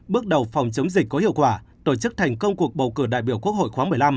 bước đầu phòng chống dịch có hiệu quả tổ chức thành công cuộc bầu cử đại biểu quốc hội khoáng một mươi năm